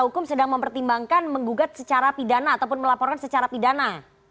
hukum sedang mempertimbangkan menggugat secara pidana ataupun melaporkan secara pidana